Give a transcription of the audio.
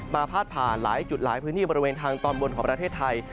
พาดผ่านหลายจุดหลายพื้นที่บริเวณทางตอนบนของประเทศไทย